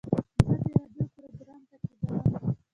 زه د راډیو پروګرام تعقیبوم.